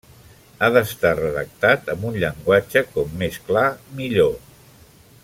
Ha d'estar redactat amb un llenguatge com més clar millor.